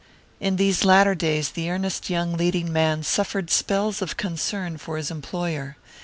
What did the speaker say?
In these latter days the earnest young leading man suffered spells of concern for his employer.